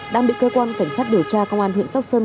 đang bị cơ quan cảnh sát điều tra công an huyện sóc sơn